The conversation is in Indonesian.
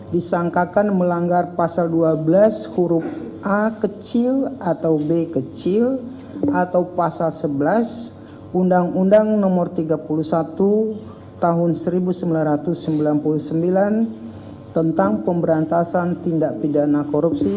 disangkakan melanggar pasal dua belas huruf a kecil atau b kecil atau pasal sebelas undang undang no tiga puluh satu tahun seribu sembilan ratus sembilan puluh sembilan tentang pemberantasan tindak pidana korupsi